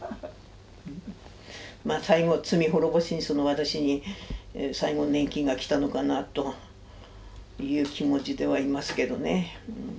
最後罪滅ぼしに私に最後の年金がきたのかなという気持ちではいますけどね。